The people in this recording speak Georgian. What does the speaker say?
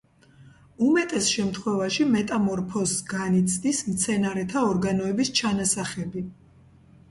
უმეტეს შემთხვევაში მეტამორფოზს განიცდის მცენარეთა ორგანოების ჩანასახები.